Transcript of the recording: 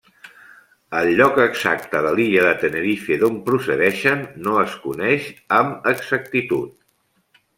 El lloc exacte de l'illa de Tenerife d'on procedeixen no es coneix amb exactitud.